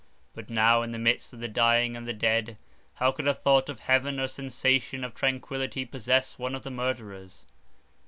But now, in the midst of the dying and the dead, how could a thought of heaven or a sensation of tranquillity possess one of the murderers?